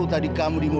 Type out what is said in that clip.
nggak bisa buat gini